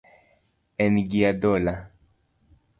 En gi adhola